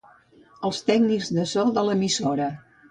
Els tècnics de so de l'emissora.